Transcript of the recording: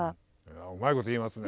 うまいこと言いますね。